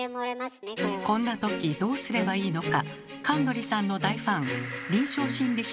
こんなときどうすればいいのか？